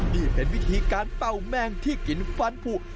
นี่เป็นวิธีการเป้าแมงที่กินฟันผู